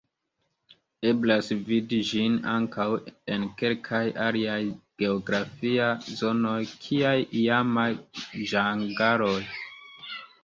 Eblas vidi ĝin ankaŭ en kelkaj aliaj geografiaj zonoj, kiaj iamaj ĝangaloj.